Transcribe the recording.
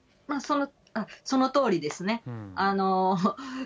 そのとおりですね。